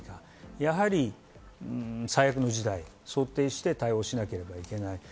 やはり最悪の時代、対応しなければいけない。